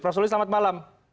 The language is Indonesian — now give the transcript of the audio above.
prof sulis selamat malam